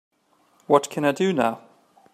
what can I do now?